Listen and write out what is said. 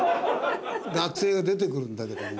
学生が出てくるんだけども。